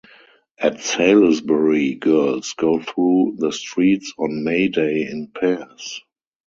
At Salisbury girls go through the streets on May Day in pairs.